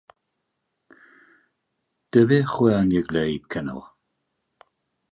دەبێ خۆیان یەکلایی بکەنەوە